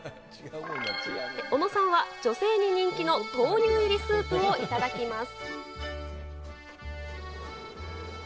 おのさんは女性に人気の豆乳入りスープを頂きます。